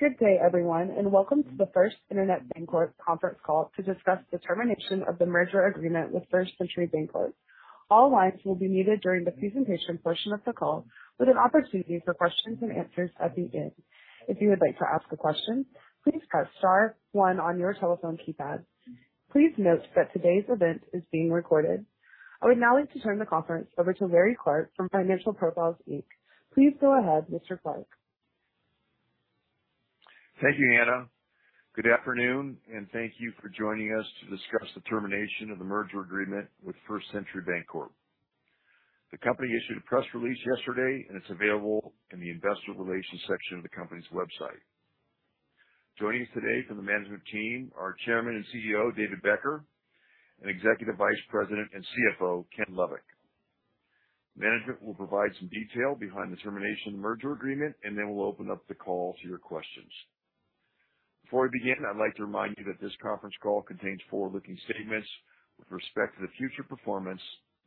Good day, everyone, and welcome to the First Internet Bancorp conference call to discuss the termination of the merger agreement with First Century Bancorp. All lines will be muted during the presentation portion of the call, with an opportunity for questions-and-answers at the end. If you would like to ask a question, please press Star one on your telephone keypad. Please note that today's event is being recorded. I would now like to turn the conference over to Larry Clark from Financial Profiles, Inc. Please go ahead, Mr. Clark. Thank you, Anna. Good afternoon, and thank you for joining us to discuss the termination of the merger agreement with First Century Bancorp. The company issued a press release yesterday, and it's available in the investor relations section of the company's website. Joining us today from the management team are Chairman and CEO, David Becker, and Executive Vice President and CFO, Kenneth Lovik. Management will provide some detail behind the termination of the merger agreement, and then we'll open up the call to your questions. Before we begin, I'd like to remind you that this conference call contains forward-looking statements with respect to the future performance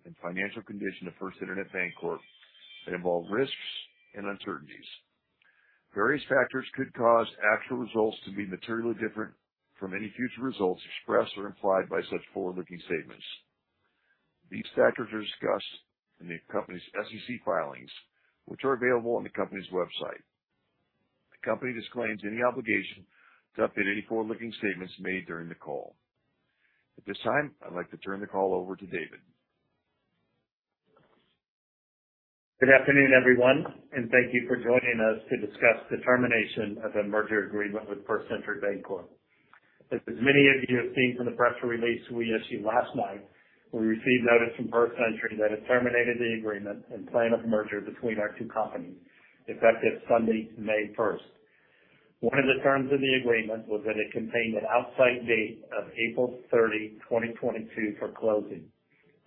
and financial condition of First Internet Bancorp that involve risks and uncertainties. Various factors could cause actual results to be materially different from any future results expressed or implied by such forward-looking statements. These factors are discussed in the company's SEC filings, which are available on the company's website. The company disclaims any obligation to update any forward-looking statements made during the call. At this time, I'd like to turn the call over to David. Good afternoon, everyone, and thank you for joining us to discuss the termination of the merger agreement with First Century Bancorp. As many of you have seen from the press release we issued last night, we received notice from First Century that it terminated the agreement effective Sunday, May 1st. One of the terms of the agreement was that it contained an outside date of April 30, 2022 for closing.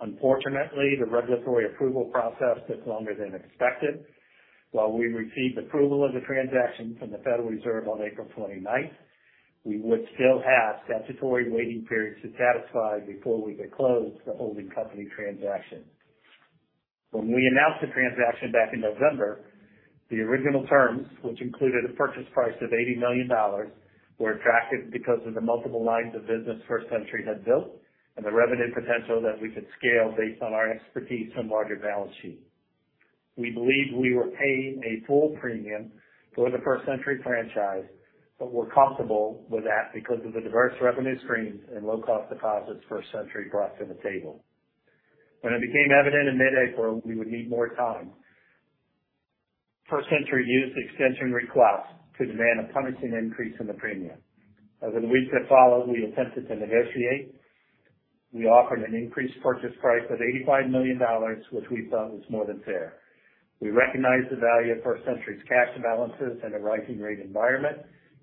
Unfortunately, the regulatory approval process took longer than expected. While we received approval of the transaction from the Federal Reserve on April 29, we would still have statutory waiting periods to satisfy before we could close the holding company transaction. When we announced the transaction back in November, the original terms, which included a purchase price of $80 million, were attractive because of the multiple lines of business First Century had built and the revenue potential that we could scale based on our expertise and larger balance sheet. We believed we were paying a full premium for the First Century franchise, but were comfortable with that because of the diverse revenue streams and low cost deposits First Century brought to the table. When it became evident in mid-April we would need more time, First Century used extension requests to demand a punishing increase in the premium. As in the weeks that followed, we attempted to negotiate. We offered an increased purchase price of $85 million, which we felt was more than fair. We recognized the value of First Century's cash balances in a rising rate environment,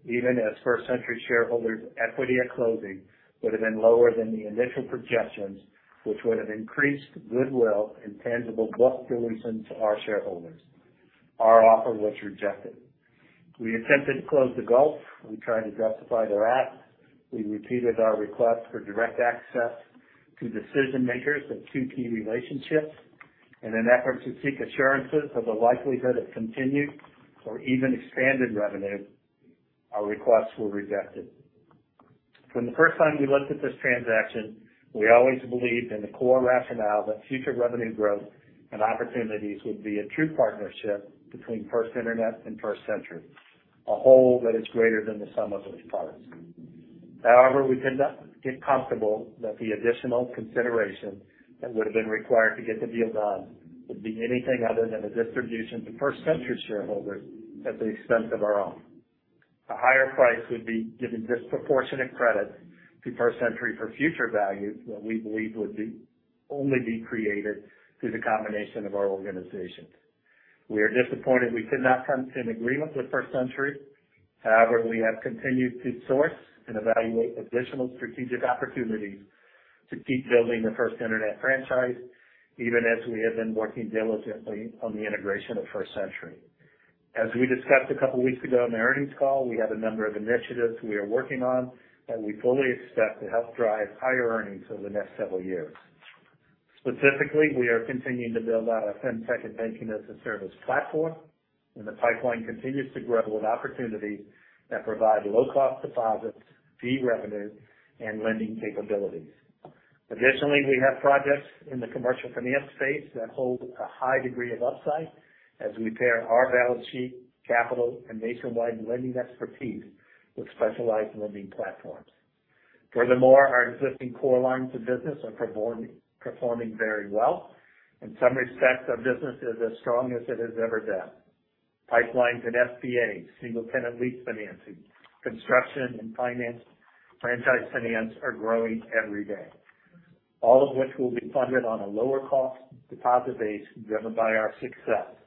even as First Century shareholders' equity at closing would have been lower than the initial projections, which would have increased goodwill and tangible book dilution to our shareholders. Our offer was rejected. We attempted to close the gulf. We tried to justify their act. We repeated our request for direct access to decision makers of two key relationships. In an effort to seek assurances of the likelihood of continued or even expanded revenue, our requests were rejected. From the first time we looked at this transaction, we always believed in the core rationale that future revenue growth and opportunities would be a true partnership between First Internet and First Century, a whole that is greater than the sum of its parts. However, we could not get comfortable that the additional consideration that would have been required to get the deal done would be anything other than a distribution to First Century shareholders at the expense of our own. The higher price would be giving disproportionate credit to First Century for future values that we believe would only be created through the combination of our organizations. We are disappointed we could not come to an agreement with First Century. However, we have continued to source and evaluate additional strategic opportunities to keep building the First Internet franchise, even as we have been working diligently on the integration of First Century. As we discussed a couple weeks ago on the earnings call, we have a number of initiatives we are working on that we fully expect to help drive higher earnings over the next several years. Specifically, we are continuing to build out our fintech and banking-as-a-service platform, and the pipeline continues to grow with opportunities that provide low cost deposits, fee revenue, and lending capabilities. Additionally, we have projects in the commercial finance space that hold a high degree of upside as we pair our balance sheet capital and nationwide lending expertise with specialized lending platforms. Furthermore, our existing core lines of business are performing very well. In some respects, our business is as strong as it has ever been. Pipelines and SBAs, single-tenant lease financing, construction and finance, franchise finance are growing every day. All of which will be funded on a lower cost deposit base driven by our success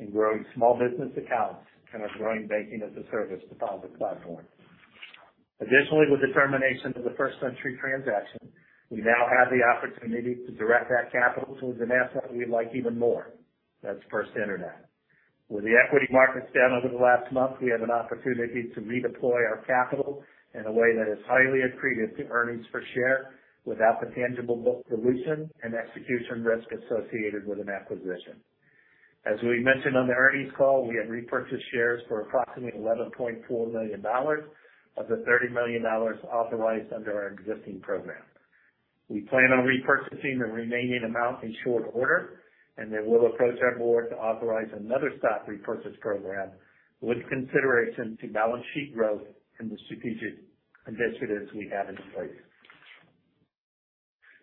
in growing small business accounts and our growing banking-as-a-service deposit platform. Additionally, with the termination of the First Century transaction, we now have the opportunity to direct that capital towards an asset we like even more. That's First Internet. With the equity markets down over the last month, we have an opportunity to redeploy our capital in a way that is highly accretive to earnings per share without the tangible book dilution and execution risk associated with an acquisition. As we mentioned on the earnings call, we have repurchased shares for approximately $11.4 million of the $30 million authorized under our existing program. We plan on repurchasing the remaining amount in short order, and then we'll approach our Board to authorize another stock repurchase program with consideration to balance sheet growth and the strategic initiatives we have in place.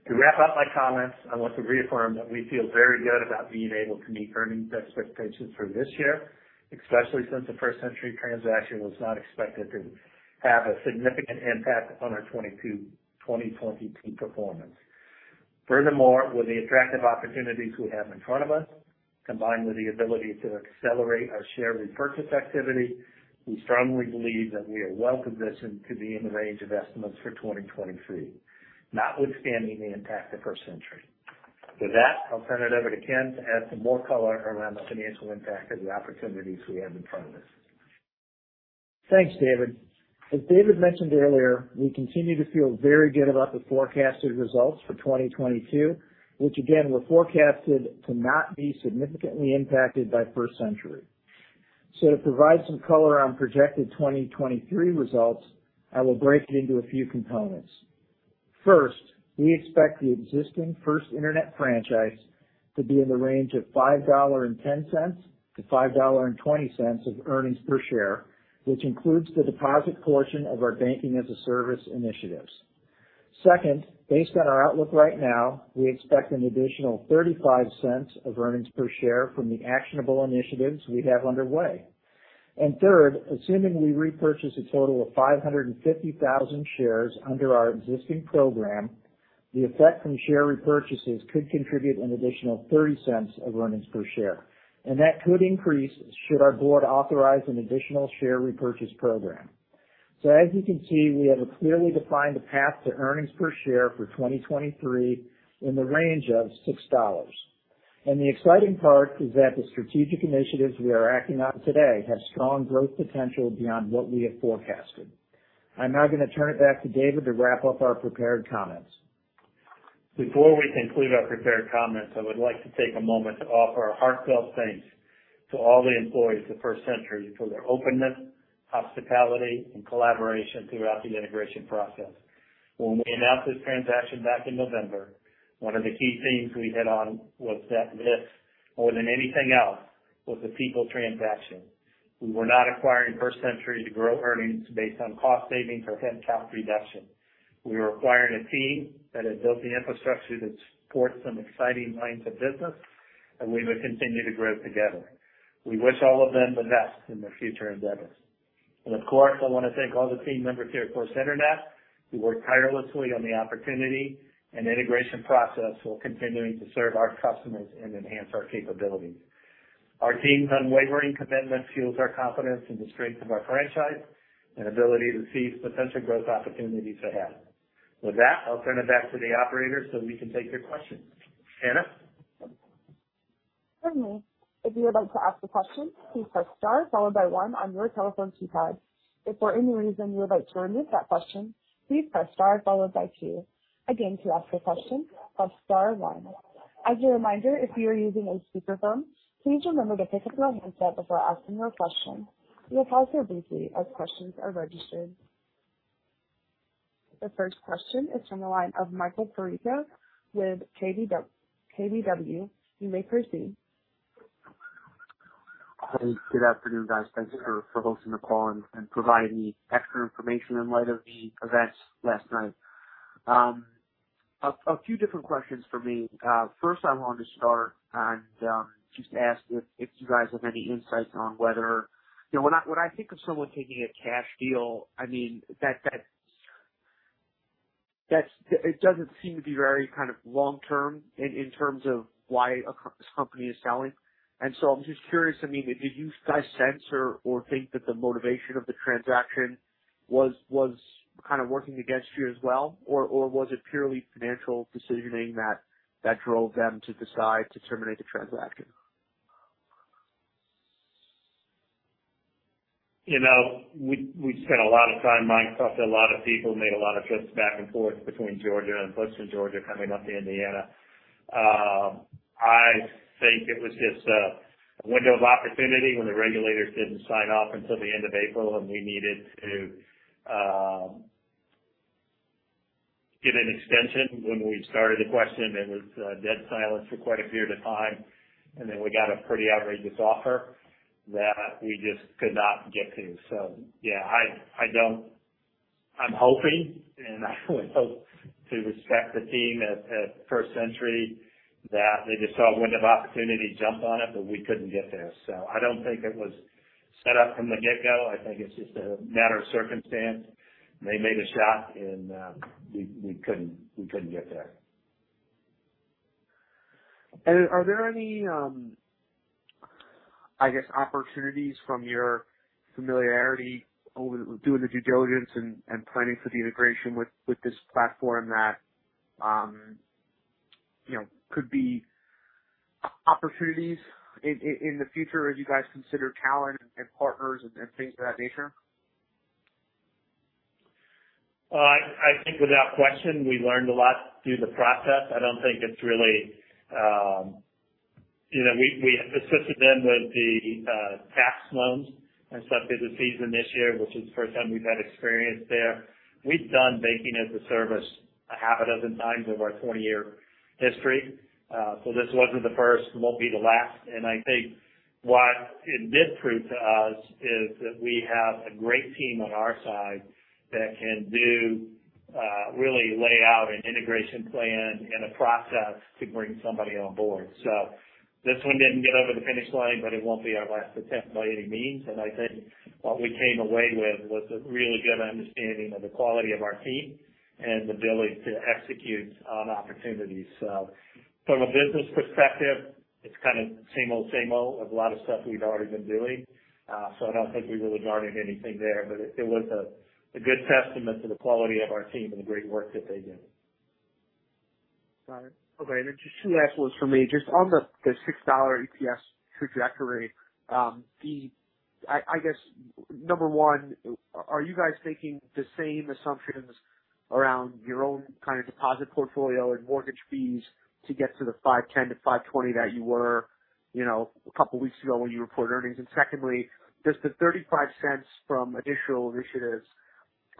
To wrap up my comments, I want to reaffirm that we feel very good about being able to meet earnings expectations for this year, especially since the First Century transaction was not expected to have a significant impact on our 2022 performance. Furthermore, with the attractive opportunities we have in front of us, combined with the ability to accelerate our share repurchase activity, we strongly believe that we are well positioned to be in the range of estimates for 2023, notwithstanding the impact of First Century. With that, I'll turn it over to Ken to add some more color around the financial impact of the opportunities we have in front of us. Thanks, David. As David mentioned earlier, we continue to feel very good about the forecasted results for 2022, which again were forecasted to not be significantly impacted by First Century. To provide some color on projected 2023 results, I will break it into a few components. First, we expect the existing First Internet franchise to be in the range of $5.10-$5.20 of earnings per share, which includes the deposit portion of our banking-as-a-service initiatives. Second, based on our outlook right now, we expect an additional $0.35 of earnings per share from the actionable initiatives we have underway. Third, assuming we repurchase a total of 550,000 shares under our existing program, the effect from share repurchases could contribute an additional $0.30 of earnings per share, and that could increase should our Board authorize an additional share repurchase program. As you can see, we have a clearly defined path to earnings per share for 2023 in the range of $6. The exciting part is that the strategic initiatives we are acting on today have strong growth potential beyond what we have forecasted. I'm now gonna turn it back to David to wrap up our prepared comments. Before we conclude our prepared comments, I would like to take a moment to offer our heartfelt thanks to all the employees at First Century for their openness, hospitality, and collaboration throughout the integration process. When we announced this transaction back in November, one of the key themes we hit on was that this, more than anything else, was a people transaction. We were not acquiring First Century to grow earnings based on cost savings or headcount reduction. We were acquiring a team that had built the infrastructure to support some exciting lines of business, and we would continue to grow together. We wish all of them the best in their future endeavors. Of course, I wanna thank all the team members here at First Internet, who worked tirelessly on the opportunity and integration process while continuing to serve our customers and enhance our capabilities. Our team's unwavering commitment fuels our confidence in the strength of our franchise and ability to seize potential growth opportunities ahead. With that, I'll turn it back to the operator so we can take your questions. Anna? Certainly. If you would like to ask a question, please press Star followed by one on your telephone keypad. If for any reason you would like to remove that question, please press Star followed by two. Again, to ask a question, press Star one. As a reminder, if you are using a speakerphone, please remember to pick up your handset before asking your question. We will pause briefly as questions are registered. The first question is from the line of Michael Perito with KBW. You may proceed. Hey, good afternoon, guys. Thanks for hosting the call and providing extra information in light of the events last night. A few different questions for me. First, I wanted to start just ask if you guys have any insights on whether you know, when I think of someone taking a cash deal, I mean, that's it doesn't seem to be very kind of long-term in terms of why this company is selling. I'm just curious, I mean, did you guys sense or think that the motivation of the transaction was kind of working against you as well? Was it purely financial decisioning that drove them to decide to terminate the transaction? You know, we spent a lot of time, Mike. Talked to a lot of people, made a lot of trips back and forth between Georgia and Butch and Georgia coming up to Indiana. I think it was just a window of opportunity when the regulators didn't sign off until the end of April, and we needed to get an extension. When we started the question, it was dead silence for quite a period of time. Then we got a pretty outrageous offer that we just could not get to. Yeah, I don't. I'm hoping, and I would hope to respect the team at First Century that they just saw a window of opportunity, jumped on it, but we couldn't get there. I don't think it was set up from the get-go. I think it's just a matter of circumstance. They made a shot and we couldn't get there. Are there any, I guess, opportunities from your familiarity over doing the due diligence and planning for the integration with this platform that, you know, could be opportunities in the future as you guys consider talent and partners and things of that nature? I think without question, we learned a lot through the process. I don't think it's really. You know, we assisted them with the tax loans and stuff through the season this year, which is the first time we've had experience there. We've done banking as a service a half dozen times over our 20-year history. This wasn't the first, it won't be the last. I think what it did prove to us is that we have a great team on our side that can really lay out an integration plan and a process to bring somebody on board. This one didn't get over the finish line, but it won't be our last attempt by any means. I think what we came away with was a really good understanding of the quality of our team and the ability to execute on opportunities. From a business perspective, it's kind of same old, same old of a lot of stuff we've already been doing. I don't think we really learned anything there, but it was a good testament to the quality of our team and the great work that they do. Got it. Okay. Just two last ones from me. Just on the $6 EPS trajectory, I guess, number one, are you guys making the same assumptions around your own kind of deposit portfolio and mortgage fees to get to the $5.10-$5.20 that you were, you know, a couple weeks ago when you reported earnings? Secondly, just the $0.35 from additional initiatives,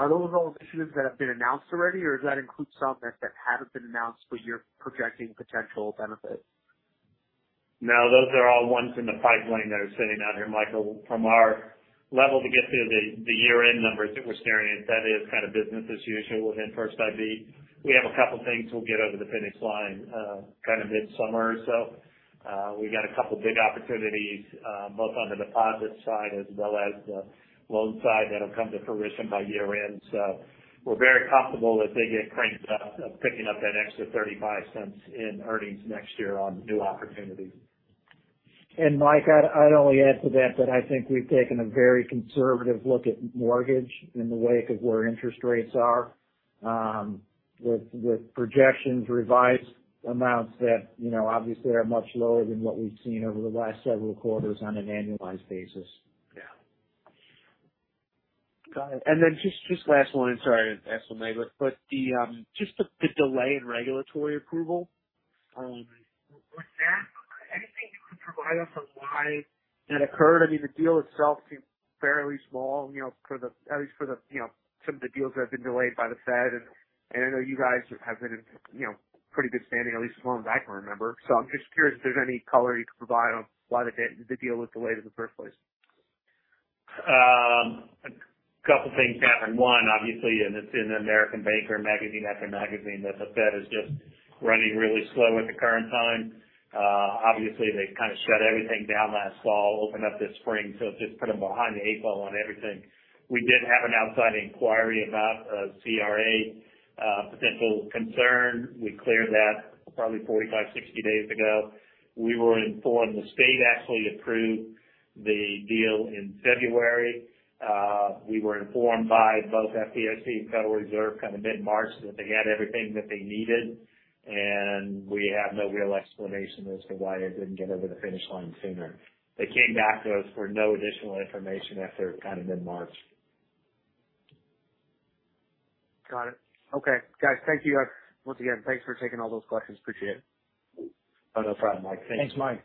are those all initiatives that have been announced already? Or does that include some that haven't been announced but you're projecting potential benefit? No, those are all ones in the pipeline that are sitting out here, Michael. From our level to get to the year-end numbers that we're staring at, that is kind of business as usual within First IB. We have a couple things that'll get over the finish line, kind of midsummer or so. We've got a couple big opportunities, both on the deposit side as well as the loan side that'll come to fruition by year-end. We're very comfortable that they get cranked up, or picking up that extra $0.35 in earnings next year on new opportunities. Mike, I'd only add to that I think we've taken a very conservative look at mortgage in the wake of where interest rates are, with projections revised amounts that, you know, obviously are much lower than what we've seen over the last several quarters on an annualized basis. Yeah. Got it. Just last one, and sorry to ask one maybe. Just the delay in regulatory approval, was that anything you can provide us on why that occurred? I mean, the deal itself seemed fairly small, you know, at least for the, you know, some of the deals that have been delayed by the Fed. I know you guys have been in, you know, pretty good standing, at least as long as I can remember. I'm just curious if there's any color you could provide on why the deal was delayed in the first place. A couple things happened. One, obviously, it's in American Banker magazine after magazine, that the Fed is just running really slow at the current time. Obviously, they kind of shut everything down last fall, opened up this spring, so it just put them behind the eight ball on everything. We did have an outside inquiry about a CRA potential concern. We cleared that probably 45, 60 days ago. We were informed the state actually approved the deal in February. We were informed by both FDIC and Federal Reserve kind of mid-March that they had everything that they needed, and we have no real explanation as to why it didn't get over the finish line sooner. They came back to us for no additional information after kind of mid-March. Got it. Okay. Guys, thank you. Once again, thanks for taking all those questions. Appreciate it. Oh, no problem, Mike. Thanks. Thanks, Mike.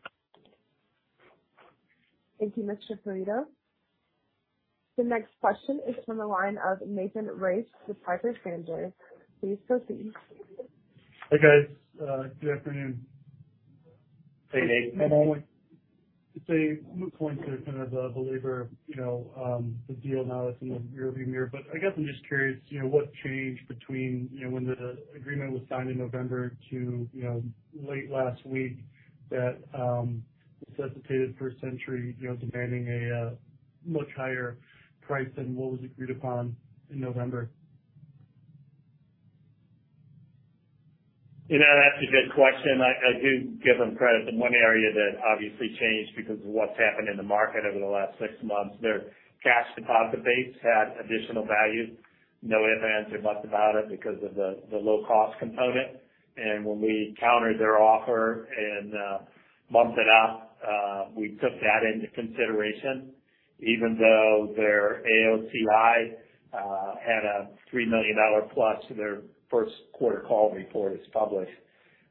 Thank you, Mr. Perito. The next question is from the line of Nathan Race with Piper Sandler. Please proceed. Hi, guys. Good afternoon. Hey, Nate. It's just a moot point to kind of belabor, you know, the deal now that's in the rearview mirror. I guess I'm just curious, you know, what changed between, you know, when the agreement was signed in November to, you know, late last week that necessitated First Century, you know, demanding a much higher price than what was agreed upon in November? You know, that's a good question. I do give them credit. The one area that obviously changed because of what's happened in the market over the last six months, their cash deposit base had additional value, no ifs, ands, or buts about it because of the low cost component. When we countered their offer and bumped it up, we took that into consideration even though their AOCI had a $3 million plus when their first quarter call report is published.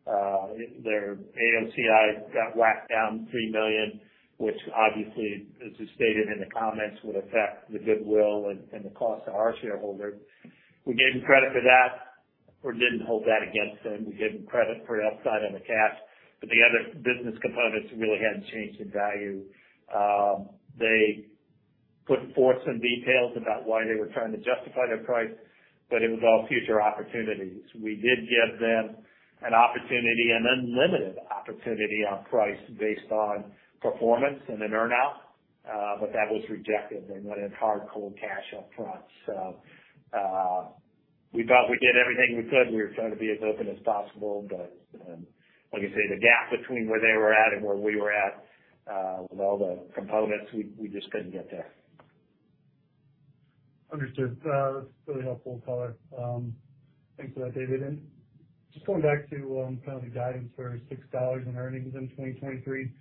Their AOCI got whacked down $3 million, which obviously, as is stated in the comments, would affect the goodwill and the cost to our shareholder. We gave them credit for that or didn't hold that against them. We gave them credit for the upside on the cash, but the other business components really hadn't changed in value. They put forth some details about why they were trying to justify their price, but it was all future opportunities. We did give them an opportunity, an unlimited opportunity on price based on performance and an earn-out, but that was rejected. They wanted hard, cold cash up front. We thought we did everything we could. We were trying to be as open as possible, but like I say, the gap between where they were at and where we were at, with all the components, we just couldn't get there. Understood. That's really helpful color. Thanks for that, David. Just going back to kind of the guidance for $6 in earnings in 2023,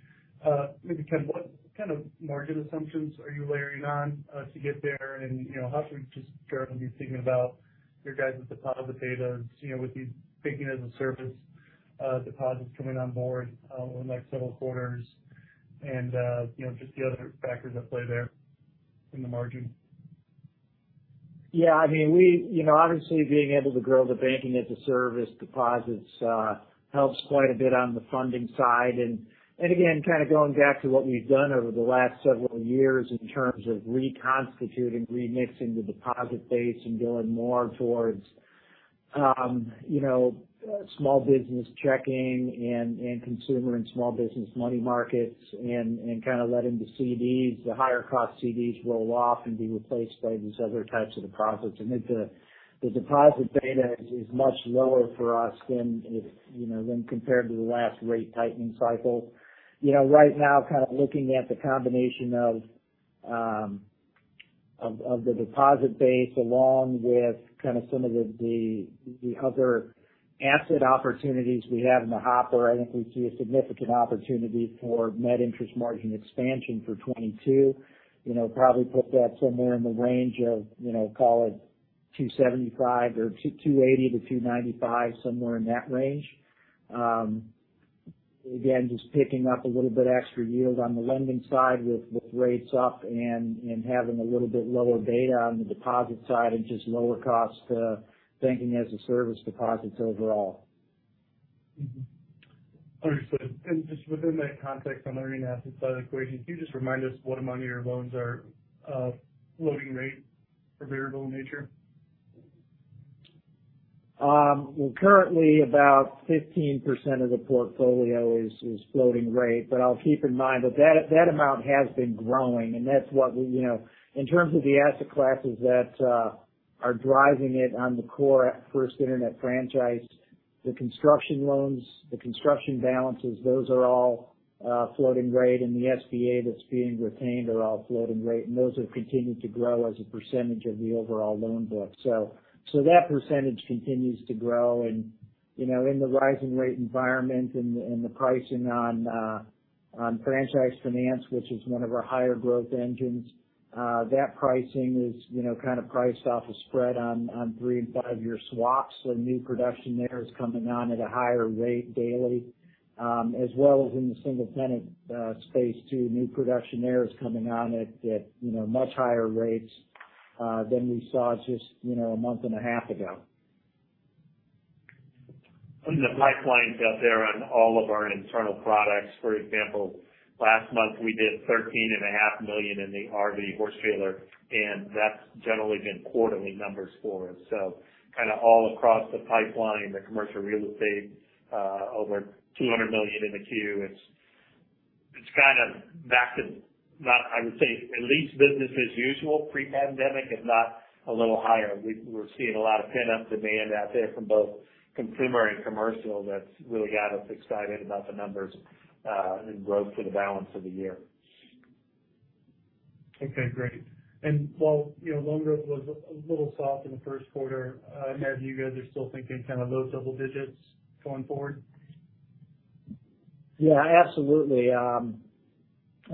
maybe, Ken, what kind of margin assumptions are you layering on to get there? You know, how should we just generally be thinking about your guys' deposit betas, you know, with these Banking-as-a-Service deposits coming on board over the next several quarters and you know, just the other factors at play there in the margin? Yeah. I mean, we, you know, obviously being able to grow the Banking-as-a-Service deposits, helps quite a bit on the funding side. Again, kind of going back to what we've done over the last several years in terms of reconstituting, remixing the deposit base and going more towards, you know, small business checking and consumer and small business money markets and kinda letting the CDs, the higher cost CDs roll off and be replaced by these other types of deposits. I think the deposit beta is much lower for us than if, you know, when compared to the last rate tightening cycle. You know, right now, kind of looking at the combination of the deposit base along with kind of some of the other asset opportunities we have in the hopper, I think we see a significant opportunity for net interest margin expansion for 2022. You know, probably put that somewhere in the range of, you know, call it 2.75 or 2.80-2.95, somewhere in that range. Again, just picking up a little bit extra yield on the lending side with rates up and having a little bit lower beta on the deposit side and just lower cost Banking-as-a-Service deposits overall. Understood. Just within that context on the earning assets side of the equation, can you just remind us what among your loans are floating rate or variable in nature? Currently about 15% of the portfolio is floating rate, but I'll keep in mind that amount has been growing and that's what we. You know, in terms of the asset classes that are driving it on the core at First Internet Franchise, the construction loans, the construction balances, those are all floating rate, and the SBA that's being retained are all floating rate, and those have continued to grow as a percentage of the overall loan book. That percentage continues to grow. You know, in the rising rate environment and the pricing on franchise finance, which is one of our higher growth engines, that pricing is, you know, kind of priced off a spread on three- and five-year swaps. New production there is coming on at a higher rate daily, as well as in the single tenant space too. New production there is coming on at, you know, much higher rates than we saw just, you know, a month and a half ago. In the pipelines out there on all of our internal products, for example, last month we did $13.5 million in the RV/horse trailer, and that's generally been quarterly numbers for us. Kinda all across the pipeline, the commercial real estate, over $200 million in the queue. It's kind of back to not, I would say at least business as usual pre-pandemic, if not a little higher. We're seeing a lot of pent-up demand out there from both consumer and commercial that's really got us excited about the numbers, and growth for the balance of the year. Okay. Great. While, you know, loan growth was a little soft in the first quarter, I imagine you guys are still thinking kind of low double-digits going forward? Yeah, absolutely. I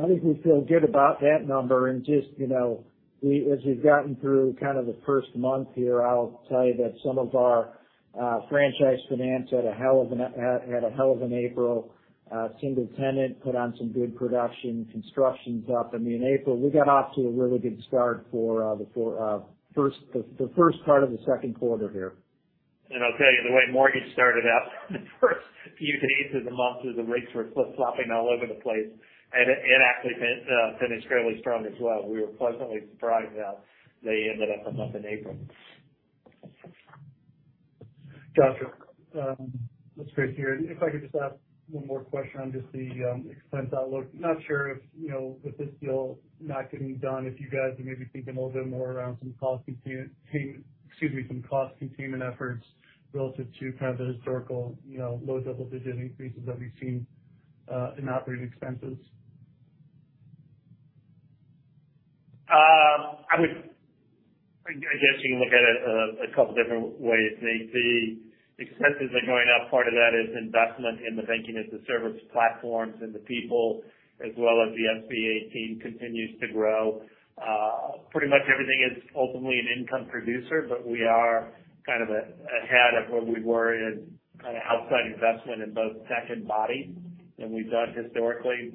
think we feel good about that number and just, you know, we as we've gotten through kind of the first month here, I'll tell you that some of our franchise finance had a hell of an April. Single tenant put on some good production. Construction's up. I mean, April, we got off to a really good start for the first part of the second quarter here. I'll tell you, the way mortgage started out, the first few days of the month as the rates were flip-flopping all over the place, and it actually finished fairly strong as well. We were pleasantly surprised how they ended up a month in April. Gotcha. That's great to hear. If I could just ask one more question on just the expense outlook. Not sure if, you know, with this deal not getting done, if you guys are maybe thinking a little bit more around some cost containment efforts relative to kind of the historical, you know, low double-digit increases that we've seen in operating expenses. I guess you can look at it a couple different ways, Nate. The expenses are going up. Part of that is investment in the banking-as-a-service platforms and the people as well as the SBA team continues to grow. Pretty much everything is ultimately an income producer, but we are kind of ahead of where we were in kind of outside investment in both tech and bodies than we've done historically.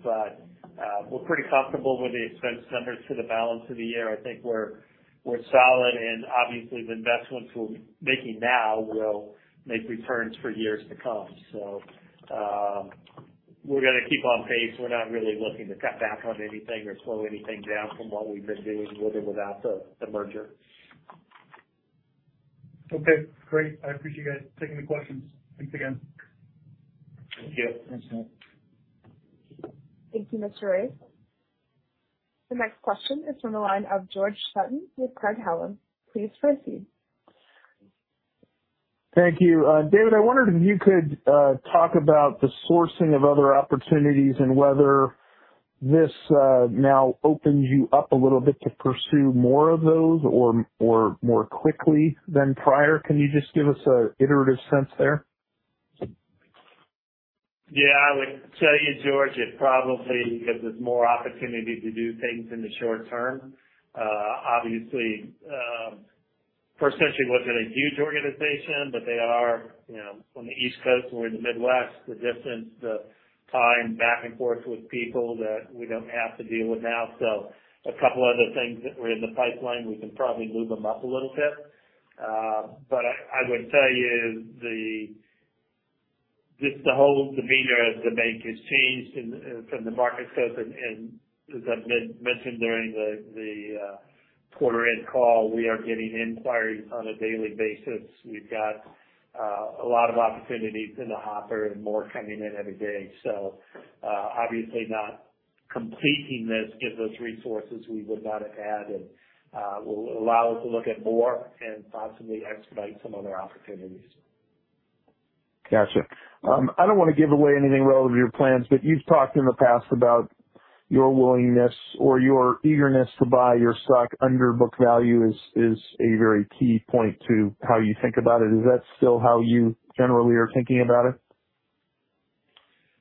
We're pretty comfortable with the expense numbers for the balance of the year. I think we're solid, and obviously the investments we're making now will make returns for years to come. We're gonna keep on pace. We're not really looking to cut back on anything or slow anything down from what we've been doing with or without the merger. Okay. Great. I appreciate you guys taking the questions. Thanks again. Thank you. Thanks, Nate. Thank you, Mr. Race. The next question is from the line of George Sutton with Craig-Hallum. Please proceed. Thank you. David, I wondered if you could talk about the sourcing of other opportunities and whether this now opens you up a little bit to pursue more of those or more quickly than prior. Can you just give us a better sense there? Yeah, I would tell you, George, it probably gives us more opportunity to do things in the short-term. Obviously, First Century wasn't a huge organization, but they are, you know, on the East Coast and we're in the Midwest. The distance, the time back and forth with people that we don't have to deal with now. A couple other things that were in the pipeline, we can probably move them up a little bit. I would tell you. Just the whole demeanor of the bank has changed in from the market stuff. As I've mentioned during the quarter end call, we are getting inquiries on a daily basis. We've got a lot of opportunities in the hopper and more coming in every day. Obviously not completing this gives us resources we would not have had and will allow us to look at more and possibly expedite some other opportunities. Gotcha. I don't wanna give away anything relative to your plans, but you've talked in the past about your willingness or your eagerness to buy your stock under book value is a very key point to how you think about it. Is that still how you generally are thinking about it?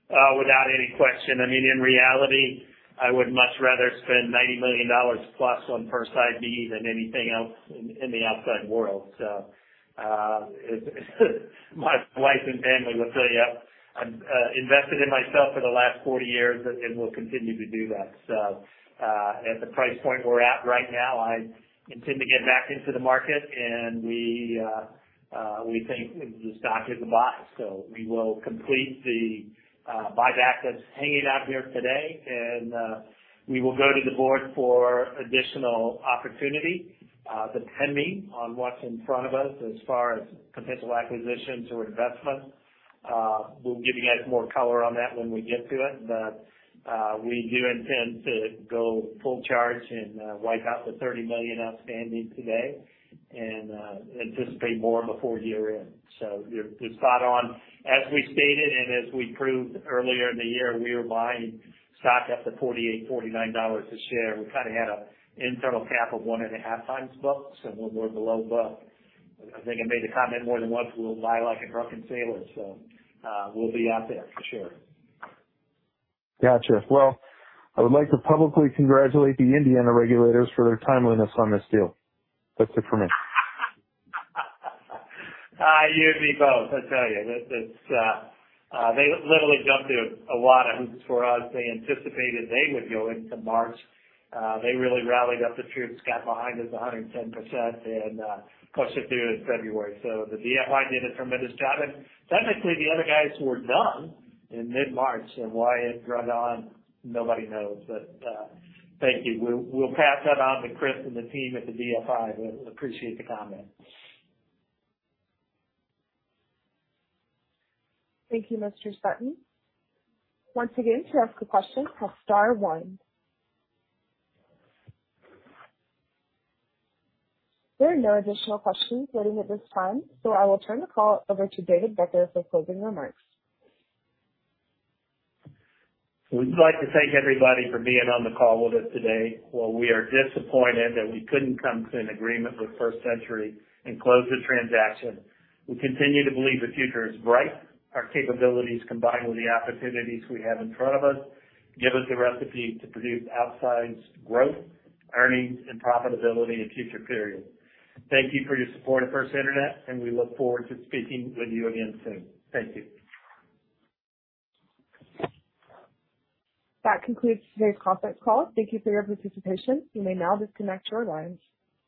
Without any question. I mean, in reality, I would much rather spend $90 million on First IB than anything else in the outside world. As my wife and family will tell you, I'm invested in myself for the last 40 years and will continue to do that. At the price point we're at right now, I intend to get back into the market and we think the stock is a buy. We will complete the buyback that's hanging out there today. We will go to the board for additional opportunity, depending on what's in front of us as far as potential acquisitions or investments. We'll give you guys more color on that when we get to it. We do intend to go full charge and wipe out the $30 million outstanding today and anticipate more before year-end. You're spot on. As we stated and as we proved earlier in the year, we are buying stock up to $48-$49 a share. We kind of had an internal cap of 1.5x books, and we're below book. I think I made the comment more than once, we'll buy like a drunken sailor. We'll be out there for sure. Gotcha. Well, I would like to publicly congratulate the Indiana regulators for their timeliness on this deal. That's it for me. You and me both. I'll tell you. They literally jumped through a lot of hoops for us. They anticipated they would go into March. They really rallied up the troops, got behind us 100% and pushed it through in February. The DFI did a tremendous job, and technically the other guys were done in mid-March, and why it dragged on, nobody knows. Thank you. We'll pass that on to Chris and the team at the DFI, but appreciate the comment. Thank you, Mr. Sutton. Once again, to ask a question, press Star one. There are no additional questions waiting at this time, so I will turn the call over to David Becker for closing remarks. We'd like to thank everybody for being on the call with us today. While we are disappointed that we couldn't come to an agreement with First Century and close the transaction, we continue to believe the future is bright. Our capabilities, combined with the opportunities we have in front of us, give us a recipe to produce outsized growth, earnings, and profitability in future periods. Thank you for your support of First Internet, and we look forward to speaking with you again soon. Thank you. That concludes today's conference call. Thank you for your participation. You may now disconnect your lines.